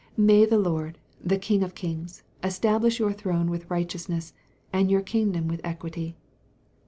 May the Lord, the King of kings, establish your throne with righteousness, and your kingdom with equity.